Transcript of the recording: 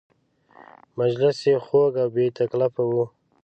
مجلس یې خوږ او بې تکلفه و.